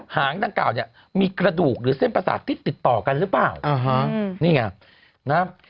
หางตั้งเก่ามีกระดูกหรือเส้นประสาทที่ติดต่อกันหรือเปล่า